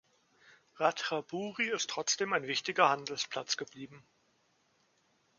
Ratchaburi ist trotzdem ein wichtiger Handelsplatz geblieben.